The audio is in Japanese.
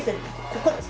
ここです。